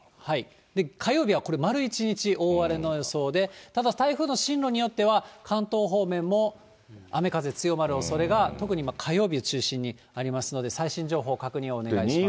火曜日はこれ、丸一日大荒れの予想で、ただ、台風の進路によっては、関東方面も雨風強まるおそれが、特に火曜日を中心にありますので、最新情報、確認をお願いします。